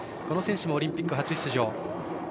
この選手もオリンピック初出場。